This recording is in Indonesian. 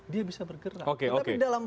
dia bisa bergerak tetapi dalam